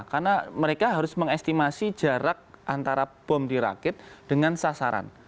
karena mereka harus mengestimasi jarak antara bom dirakit dengan sasaran